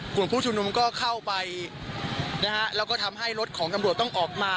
ขุมตำรวจชุดชมนุมก็เข้าไปแล้วก็ทำให้รถของตำรวจต้องออกมา